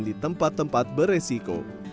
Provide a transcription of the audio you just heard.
di tempat tempat beresiko